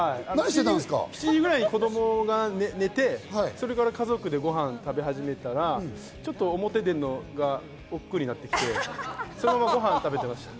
７時くらいに子供が寝て、それから家族でごはん食べ始めたら、表に出るの、おっくうになってきて、そのままごはん食べていました。